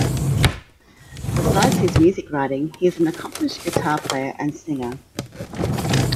Besides his music writing, he is an accomplished guitar player and singer.